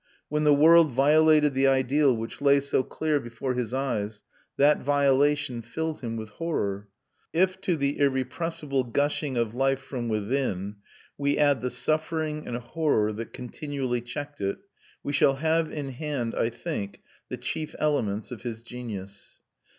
When the world violated the ideal which lay so clear before his eyes, that violation filled him with horror. If to the irrepressible gushing of life from within we add the suffering and horror that continually checked it, we shall have in hand, I think, the chief elements of his genius.